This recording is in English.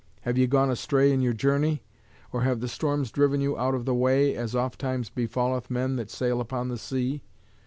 Have ye gone astray in your journey? or have the storms driven you out of the way, as ofttimes befalleth men that sail upon the sea?